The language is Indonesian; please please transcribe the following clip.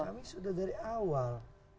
kami sudah dari awal